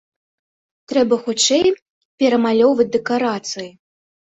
Трэба хутчэй перамалёўваць дэкарацыі.